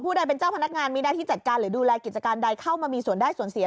ใดเป็นเจ้าพนักงานมีหน้าที่จัดการหรือดูแลกิจการใดเข้ามามีส่วนได้ส่วนเสีย